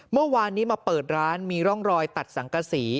เมื่อวานนี้มาเปิดร้านมีร่องรอยตัดสังกษี